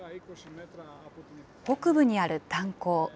北部にある炭鉱。